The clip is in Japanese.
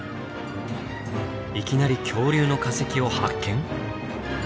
いきなり恐竜の化石を発見？